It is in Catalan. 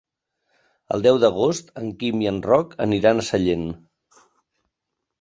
El deu d'agost en Quim i en Roc aniran a Sellent.